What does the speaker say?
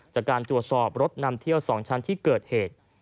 จากการตรวจสอบรถนำเที่ยว๒ชั้นที่เกิดเหตุ